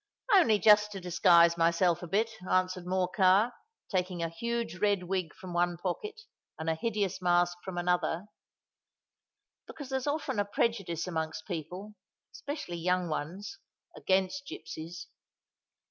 "Only just to disguise myself a bit," answered Morcar, taking a huge red wig from one pocket and a hideous mask from another; "because there's often a prejudice amongst people—especially young ones—against gipsies."